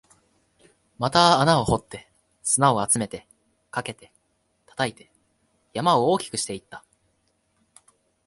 また穴を掘って、砂を集めて、かけて、叩いて、山を大きくしていった